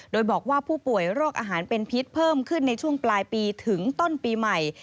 โดยบอกว่าผู้ป่วยโรคอาหารเป็นพิษเพิ่มขึ้นในช่วงปลายปีถึงต้นปีใหม่